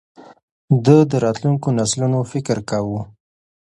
ده د راتلونکو نسلونو فکر کاوه.